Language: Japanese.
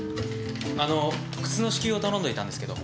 あの靴の支給を頼んでおいたんですけど。